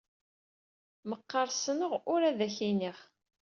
Meqqar ssneɣ, ur ad ak-iniɣ.